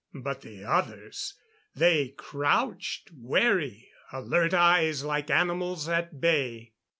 But the others! They crouched; wary; alert eyes like animals at bay.